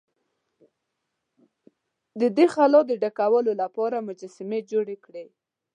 د دې خلا د ډکولو لپاره مجسمې جوړې کړې.